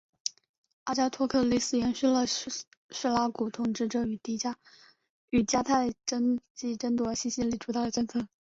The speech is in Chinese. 阿加托克利斯延续了叙拉古统治者与迦太基争夺西西里主导的政策。